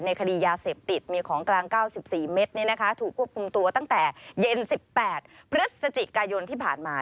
คดียาเสพติดมีของกลาง๙๔เมตรถูกควบคุมตัวตั้งแต่เย็น๑๘พฤศจิกายนที่ผ่านมา